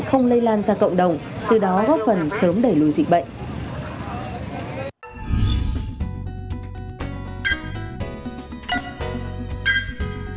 không lây lan ra cộng đồng từ đó góp phần sớm đẩy lùi dịch bệnh